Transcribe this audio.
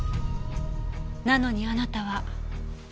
なのにあなたは。